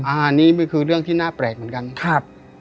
อ่านี่คือเรื่องที่น่าแปลกเหมือนกัน